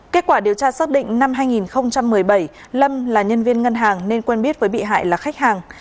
kết quả điều tra xác định năm hai nghìn một mươi bảy lâm là nhân viên ngân hàng nên quen biết với bị hại là khách hàng